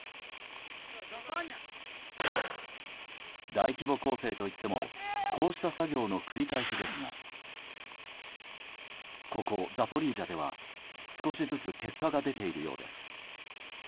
大規模攻勢といってもこうした作業の繰り返しですがここ、ザポリージャでは少しずつ結果が出ているようです。